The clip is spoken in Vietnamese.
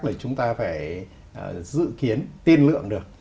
thì chúng ta phải dự kiến tiên lượng được